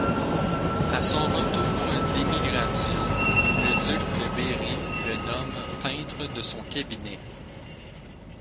À son retour d’émigration, le duc de Berry le nomme peintre de son cabinet.